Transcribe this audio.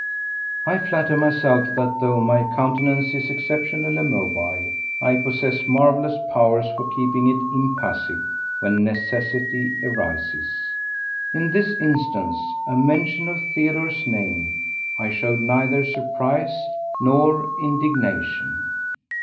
I flatter myself, that though my countenance is exceptionally mobile, I possess marvellous powers for keeping it impassive when necessity arises. In this instance, at mention of Theodore's name, I showed neither surprise nor indignation.